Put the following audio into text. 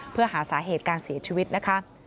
เพื่อหาสาเหตุการเสียชีวิตนะคะ